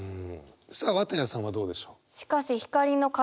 さあ綿矢さんはどうでしょう？